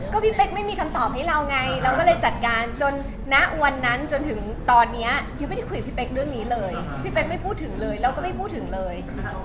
ก็พี่เป๊กไม่มีคำตอบให้เราไงเราก็เลยจัดการจนณวันนั้นจนถึงตอนนี้กิ๊บไม่ได้คุยกับพี่เป๊กเรื่องนี้เลยพี่เป๊กไม่พูดถึงเลยเราก็ไม่พูดถึงเลย